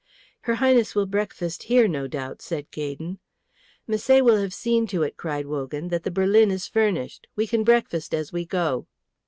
"Her Highness will breakfast here, no doubt?" said Gaydon. "Misset will have seen to it," cried Wogan, "that the berlin is furnished. We can breakfast as we go."